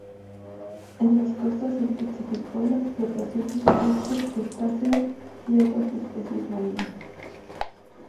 En las costas se intensificó la explotación de moluscos, crustáceos y otras especies marinas.